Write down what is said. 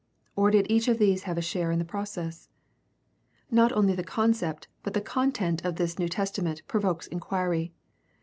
Or did each of these have a share in the process ? Not only the concept but the content of this New Testa ment provokes inquiry.